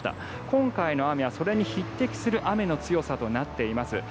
今回の雨はそれに匹敵する雨の強さとなっています。